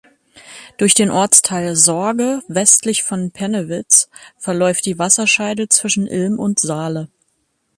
Durch den Ortsteil "Sorge" westlich von Pennewitz verläuft die Wasserscheide zwischen Ilm und Saale.